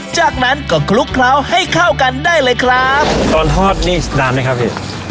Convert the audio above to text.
จากนั้นก็คลุกเคล้าให้เข้ากันได้เลยครับตอนทอดนี่นานไหมครับพี่